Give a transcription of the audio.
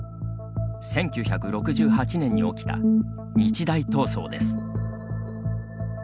１９６８年に起きた日大闘争です。